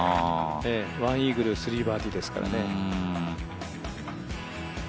１イーグル３バーディーですからね。